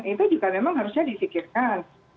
itu juga memang harusnya disikirkan